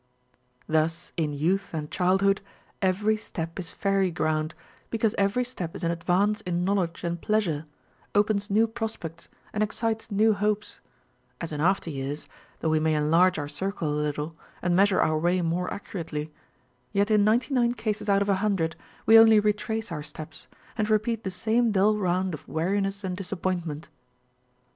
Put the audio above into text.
Thus in youth and childhood every step is fairy ground, because every step is an advance in knowledge and pleasure, opens new prospects, and excites new hopes, as in after years, though we may enlarge our circle a little, and measure our way more accurately, yet in ninety nine cases out of a hundred we only retrace our steps, and repeat the same dull round of weariness and disappointment.